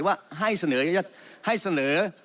ว่าให้เสนอ